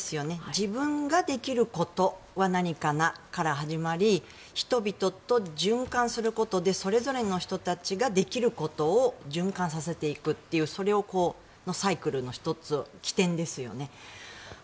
自分ができることは何かなから始まり人々と循環することでそれぞれの人たちができることを循環させていくというサイクルの１つ起点ですよね。